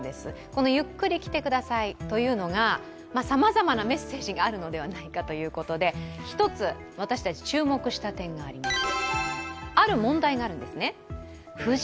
このゆっくりきて下さいというのがさまざまなメッセージがあるのではないかということで１つ、私たち注目した点があります。